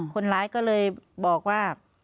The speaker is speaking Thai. คนร้ายก็เลยบอกว่า